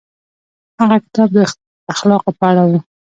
هغه کتاب د اخلاقو په اړه و.